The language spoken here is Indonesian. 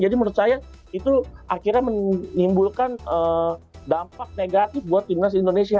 jadi menurut saya itu akhirnya menimbulkan dampak negatif buat timnas indonesia